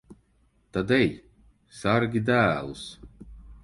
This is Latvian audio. Tad ej, sargi dēlus.